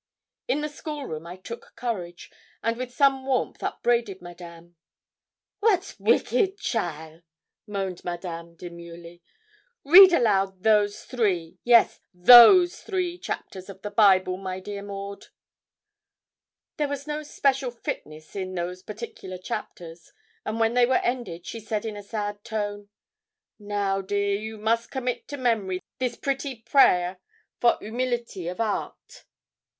In the school room I took courage, and with some warmth upbraided Madame. 'Wat wicked cheaile!' moaned Madame, demurely. 'Read aloud those three yes, those three chapters of the Bible, my dear Maud.' There was no special fitness in those particular chapters, and when they were ended she said in a sad tone 'Now, dear, you must commit to memory this pretty priaire for umility of art.'